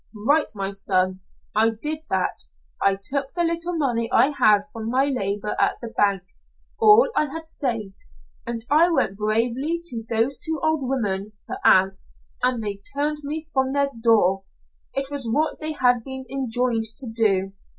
"Right, my son I did that. I took the little money I had from my labor at the bank all I had saved, and I went bravely to those two old women her aunts, and they turned me from their door. It was what they had been enjoined to do.